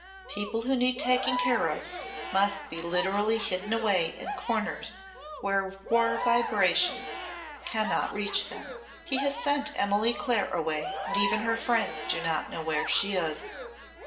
People who need taking care of must be literally hidden away in corners where war vibrations cannot reach them. He has sent Emily Clare away and even her friends do not know where she is."